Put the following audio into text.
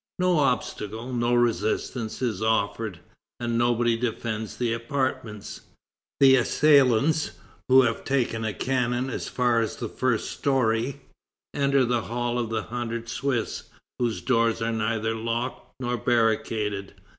No obstacle, no resistance, is offered, and nobody defends the apartments. The assailants, who have taken a cannon as far as the first story, enter the Hall of the Hundred Swiss, whose doors are neither locked nor barricaded.